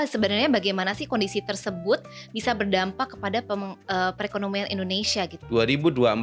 sebenarnya bagaimana sih kondisi tersebut bisa berdampak kepada perekonomian indonesia gitu